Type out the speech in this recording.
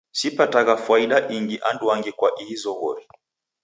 Sipatagha fwaida ingi anduangi kwa ihi zoghori.